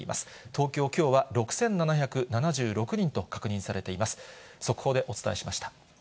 東京、きょうは６７７６人と確認されています。